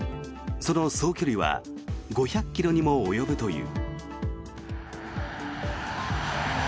その総距離は５００ｋｍにも及ぶという。